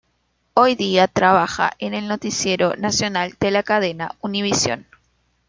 Hoy día, trabaja en el Noticiero Nacional de la cadena Univisión.